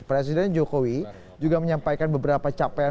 presiden jokowi juga menyampaikan beberapa capaian